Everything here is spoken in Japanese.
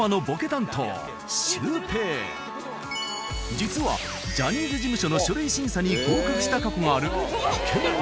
実はジャニーズ事務所の書類審査に合格した過去があるイケメン